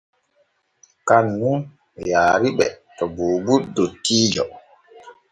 Kan nun yaariɓe to Buubu dottiijo.